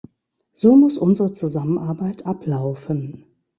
So muss unsere Zusammenarbeit ablaufen.